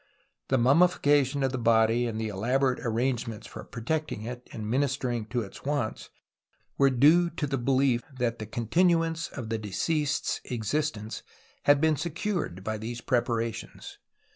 The mummifica tion of the body and the elaborate arrange ments for protecting it and ministering to its wants were due to the belief that the continu ance of the deceased's existence had been secured by these preparations.